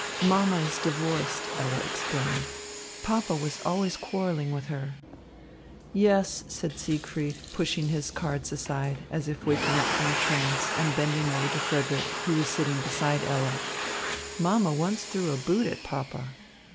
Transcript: "Mamma is divorced," Ella explained. "Papa was always quarrelling with her." "Yes," said Siegfried, pushing his cards aside, as if waking up from a trance, and bending over to Frederick, who was sitting beside Ella, "mamma once threw a boot at papa."